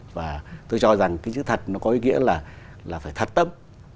và tôi cho rằng cái chữ thật nó có ý nghĩa là phải thật tâm